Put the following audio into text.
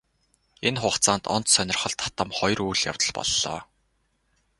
Энэ хугацаанд онц сонирхол татам хоёр үйл явдал боллоо.